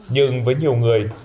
nhưng với nhiều người